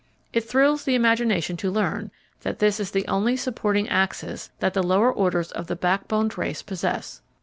It thrills the imagination to learn that this is the only supporting axis that the lower orders of the backboned race possess.